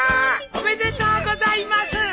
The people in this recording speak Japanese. おめでとうございます。